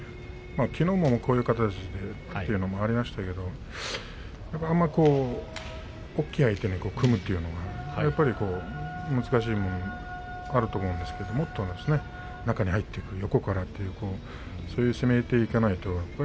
きのうもこういう形でということがありましたがあまり大きい相手に組むというのはね難しいものがあると思うんですけれどもっと中に入って横からというそういうふうに攻めていかないと。